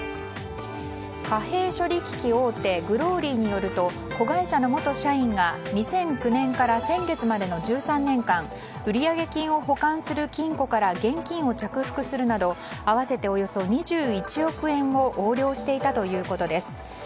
貨幣処理機器大手グローリーによると子会社の元社員が２００９年から先月までの１３年間売上金を保管する金庫から現金を着服するなど合わせておよそ２１億円を横領していたということです。